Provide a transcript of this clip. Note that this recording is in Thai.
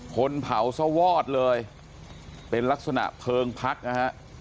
คนเผาซะวอดเลยเป็นลักษณะเพลิงพักนะฮะ